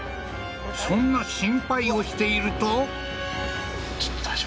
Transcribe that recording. そんな心配をしているとウソ？